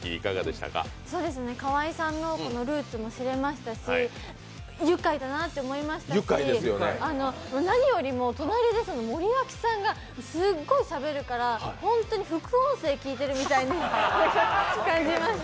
河合さんのルーツも知れましたし愉快だなって思いましたし、何よりも隣で森脇さんが、すごいしゃべるから本当に副音声聞いてるみたいな、感じました。